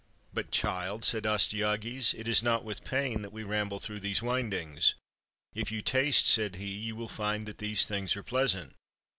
" But, child," said Astyages, " it is not with pain that we ramble through these windings; if you taste," said he, "you will find that these things are pleasant."